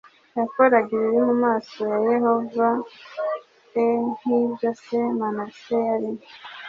Yakoraga ibibi mu maso ya Yehova e nk ibyo se Manase yari